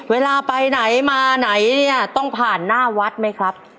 เวลาไปไหนมาไหนเนี่ยต้องผ่านหน้าวัดไหมครับ